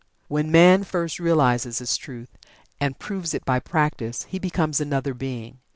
When man first realizes this truth, and proves it by practice, he becomes another being.